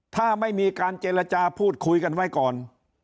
ถ้าไม่มีการเจรจาพูดคุยกันไว้ก่อน